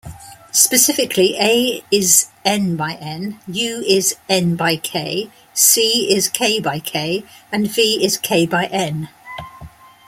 Specifically, "A" is "n"-by-"n", "U" is "n"-by-"k", "C" is "k"-by-"k" and "V" is "k"-by-"n".